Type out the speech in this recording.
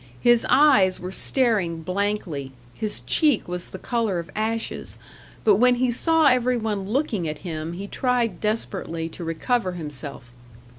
His eyes were staring blankly, his cheek was the colour of ashes. But when he saw every one looking at him he tried desperately to recover himself.